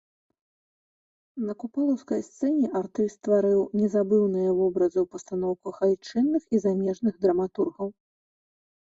На купалаўскай сцэне артыст стварыў незабыўныя вобразы ў пастаноўках айчынных і замежных драматургаў.